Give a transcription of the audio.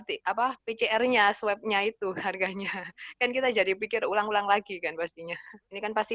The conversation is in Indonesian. terima kasih apa pcr nya swabnya itu harganya kan kita jadi pikir ulang ulang lagi kan pastinya ini kan pasti